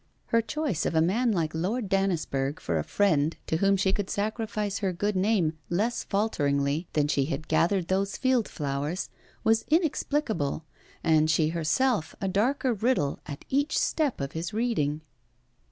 Her choice of a man like Lord Dannisburgh for the friend to whom she could sacrifice her good name less falteringly than she gathered those field flowers was inexplicable; and she herself a darker riddle at each step of his reading.